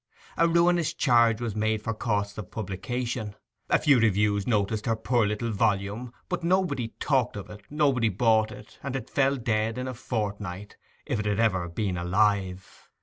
A ruinous charge was made for costs of publication; a few reviews noticed her poor little volume; but nobody talked of it, nobody bought it, and it fell dead in a fortnight—if it had ever been alive.